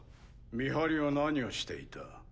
見張りは何をしていた？